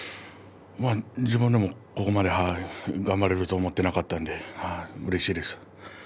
自分でも、ここまで頑張れるとは思ってなかったのでうれしいです。